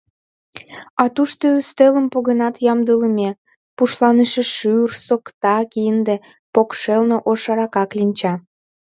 А тушто ӱстелым погенат ямдылыме: пушланыше шӱр, сокта, кинде, покшелне ош арака кленча.